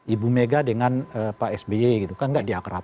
ibu mega dengan pak sby kan tidak diakrab